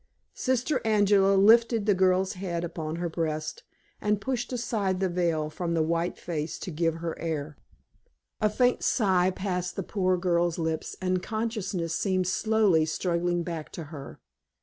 Sister Angela lifted the girl's head upon her breast, and pushed aside the veil from the white face to give her air. A faint sigh passed the poor girl's lips, and consciousness seemed slowly struggling back to her.